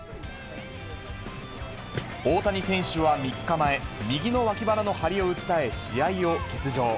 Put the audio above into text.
大谷選手は３日前、右の脇腹の張りを訴え、試合を欠場。